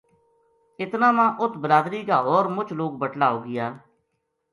اتنا ما اُت بلادری کا ہور مُچ لوک بَٹلا ہو گیا